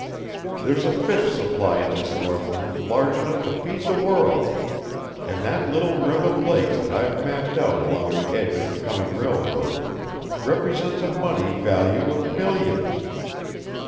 There's a fish supply in this northland large enough to feed the world, and that little rim of lakes that I've mapped out along the edge of the coming railroad represents a money value of millions.